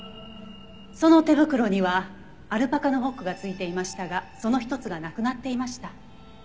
その手袋にはアルパカのホックが付いていましたがその１つがなくなっていました。